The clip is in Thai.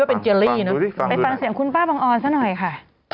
ไปฟังเสียงคุณป้าบังออนซะหน่อยค่ะ